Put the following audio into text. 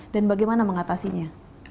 dan bagaimana mengatasinya